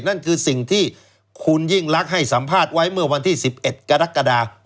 นั่นคือสิ่งที่คุณยิ่งลักษณ์ให้สัมภาษณ์ไว้เมื่อวันที่๑๑กรกฎา๖๖